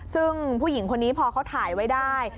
ซึ่งผู้หญิงคนนี้พอเขาถ่ายไว้ได้